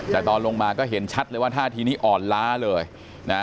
แต่ตอนลงมาก็เห็นชัดเลยว่าท่าทีนี้อ่อนล้าเลยนะ